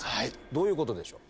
どういうことでしょう？